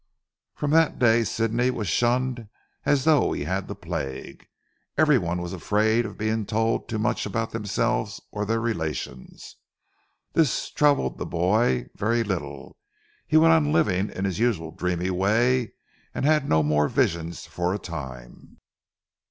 From that day Sidney was shunned as though he had the plague. Everyone was afraid of being told too much about themselves or their relations. This troubled the boy very little. He went on living in his usual dreamy way, and had no more visions for a time.